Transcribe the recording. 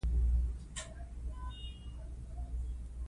د واک ناسم استعمال ټولنیز باور کمزوری کوي